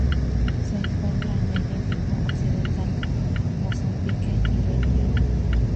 Se encuentra en el Índico occidental: Mozambique y Reunión.